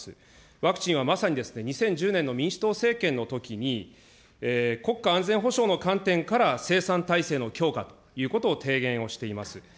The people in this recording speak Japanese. ワクチンはまさに２０１０年の民主党政権のときに、国家安全保障の観点から、生産体制の強化ということを提言をしています。